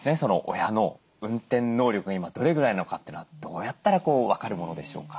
親の運転能力が今どれぐらいなのかっていうのはどうやったら分かるものでしょうか？